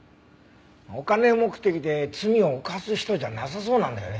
お金目的で罪を犯す人じゃなさそうなんだよね。